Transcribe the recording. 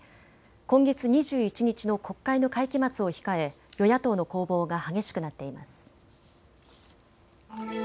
今月２１日の国会の会期末を控え与野党の攻防が激しくなっています。